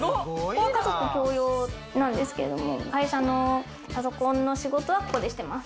家族共用なんですけれども、会社のパソコンの仕事はここでしてます。